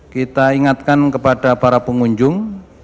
kita ingatkan kepada para pengunjung